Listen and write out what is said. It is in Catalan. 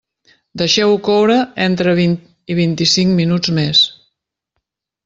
Deixeu-ho coure entre vint i vint-i-cinc minuts més.